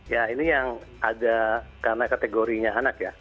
ya ini yang ada karena kategorinya anak ya